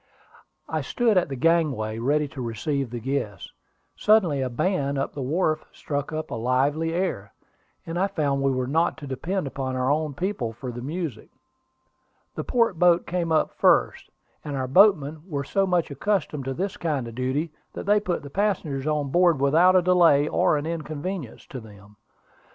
I stood at the gangway, ready to receive the guests. Suddenly a band on the wharf struck up a lively air, and I found we were not to depend upon our own people for the music. The port boat came up first; and our boatmen were so much accustomed to this kind of duty, that they put the passengers on board without delay or inconvenience to them.